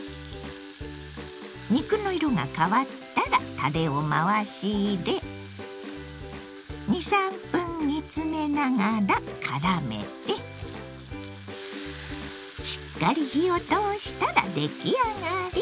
肉の色が変わったらたれを回し入れ２３分煮詰めながらからめてしっかり火を通したら出来上がり。